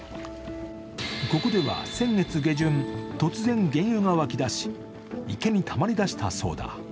ここでは先月下旬、突然原油が湧き出し池にたまりだしたそうだ。